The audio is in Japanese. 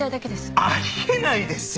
あり得ないですよ。